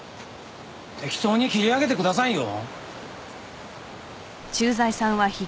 適当に切り上げてくださいよ。